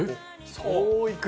そういく？